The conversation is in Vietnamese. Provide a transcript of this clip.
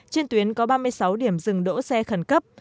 trên tuyến có ba mươi sáu điểm dừng đỗ xe khẩn cấp